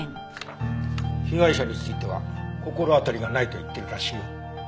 被害者については心当たりがないと言ってるらしいよ。